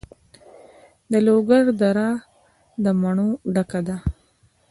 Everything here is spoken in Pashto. د لوګر دره د مڼو ډکه ده.